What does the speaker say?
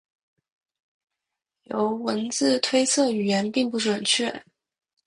由文字推测语言并不准确。